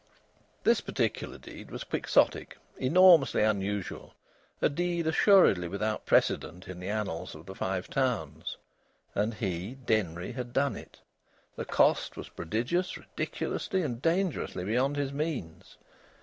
This particular deed was quixotic, enormously unusual; a deed assuredly without precedent in the annals of the Five Towns. And he, Denry, had done it. The cost was prodigious, ridiculously and dangerously beyond his means.